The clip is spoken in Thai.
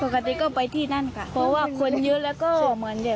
ปกติก็ไปที่นั่นค่ะเพราะว่าคนเยอะแล้วก็เหมือนเนี่ย